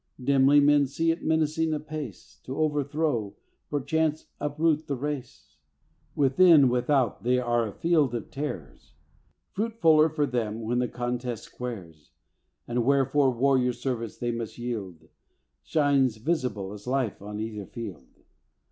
Dimly men see it menacing apace To overthrow, perchance uproot the race. Within, without, they are a field of tares: Fruitfuller for them when the contest squares, And wherefore warrior service they must yield, Shines visible as life on either field.